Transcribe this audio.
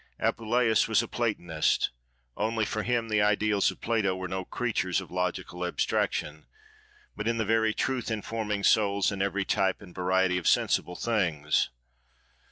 Apuleius was a Platonist: only, for him, the Ideas of Plato were no creatures of logical abstraction, but in very truth informing souls, in every type and variety of sensible things.